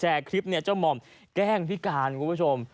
แชร์คลิปเนี่ยเจ้ามอมแกล้งพี่กานคุณผู้ชม